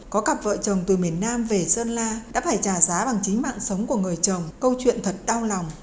có cặp vợ chồng từ miền nam về sơn la đã phải trả giá bằng chính mạng sống của người chồng câu chuyện thật đau lòng